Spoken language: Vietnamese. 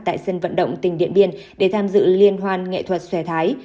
tại sân vận động tỉnh điện biên để tham dự liên hoan nghệ thuật xòe thái